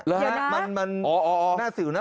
หรือฮะมันมันน่าสื่อนะ